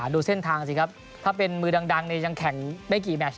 ดูเส้นทางสิครับถ้าเป็นมือดังยังแข่งได้กี่แมช